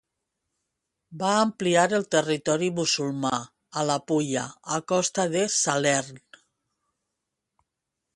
Va ampliar el territori musulmà a la Pulla a costa de Salern.